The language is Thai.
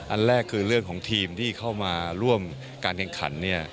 อันแรกคือเรื่องของทีมที่เข้ามาร่วมการแข่งขัน